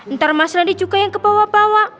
ntar mas radi juga yang kebawa bawa